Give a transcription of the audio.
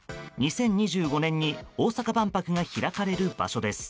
２０２５年に大阪万博が開かれる場所です。